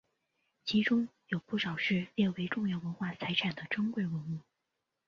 其中有不少是列为重要文化财产的珍贵文物。